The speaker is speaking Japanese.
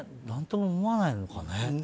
何とも思わないのかね。